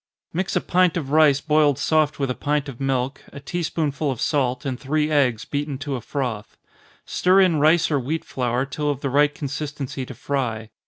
_ Mix a pint of rice boiled soft with a pint of milk, a tea spoonful of salt, and three eggs, beaten to a froth. Stir in rice or wheat flour till of the right consistency to fry.